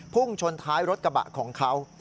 พุ่งชนท้ายรถกระบะของเขา